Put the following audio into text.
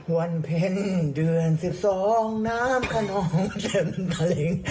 วันเพ็ญเดือนสิบสองน้ำขนองเต็มกะหลิง